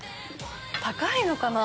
高いのかな？